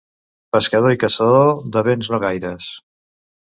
Pescador i caçador, de béns no gaires.